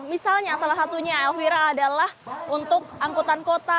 misalnya salah satunya elvira adalah untuk angkutan kota